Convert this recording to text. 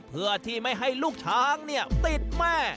เพื่อที่ไม่ให้ลูกช้างติดแม่